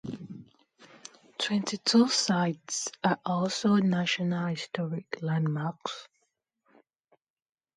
Twenty-two sites are also National Historic Landmarks.